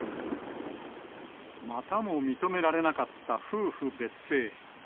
またも認められなかった夫婦別姓。